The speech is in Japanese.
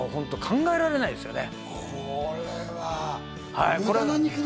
考えられないですよね。